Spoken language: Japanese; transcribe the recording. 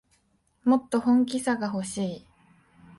もっと本気さがほしい